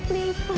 aku tau gimana